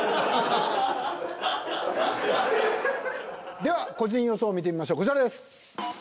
では個人予想見てみましょうこちらです。